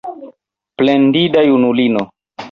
Plendinda junulino!